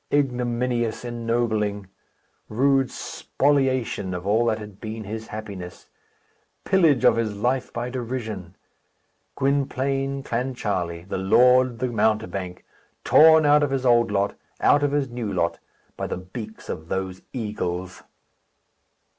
Ignominious ennobling! Rude spoliation of all that had been his happiness! Pillage of his life by derision! Gwynplaine, Clancharlie, the lord, the mountebank, torn out of his old lot, out of his new lot, by the beaks of those eagles!